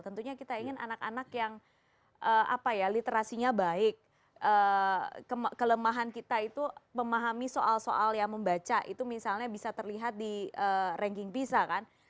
tentunya kita ingin anak anak yang literasinya baik kelemahan kita itu memahami soal soal yang membaca itu misalnya bisa terlihat di ranking pisa kan